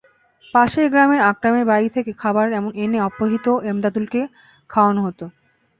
পাশের গ্রামের আকরামের বাড়ি থেকে খাবার এনে অপহৃত এমদাদুলকে খাওয়ানো হতো।